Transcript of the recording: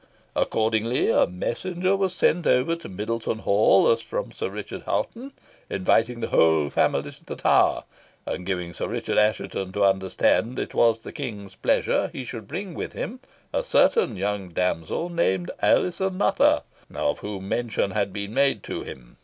Accordingly a messenger was sent over to Middleton Hall as from Sir Richard Hoghton, inviting the whole family to the Tower, and giving Sir Richard Assheton to understand it was the King's pleasure he should bring with him a certain young damsel, named Alizon Nutter, of whom mention had been made to him.